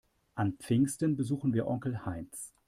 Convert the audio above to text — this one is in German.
An Pfingsten besuchen wir Onkel Heinz.